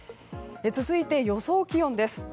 続いて予想気温です。